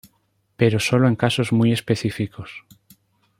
Pero solo en casos muy específicos.